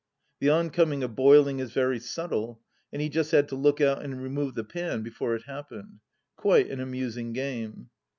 The oncoming of boiling is very subtle, and he just had to look out and remove the pan before it happened. Quite an amusing game